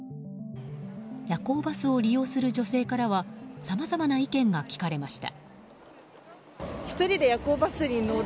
夜行バスを利用する女性からはさまざまな意見が聞かれました。